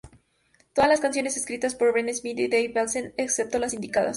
Todas las canciones escritas por Brent Smith y Dave Bassett, excepto las indicadas.